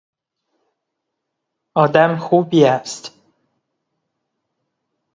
آدم خوبی است.